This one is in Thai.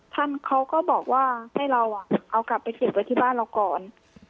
ท่านเขาก็บอกว่าให้เราเอากลับไปเก็บไว้ที่บ้านเราก่อน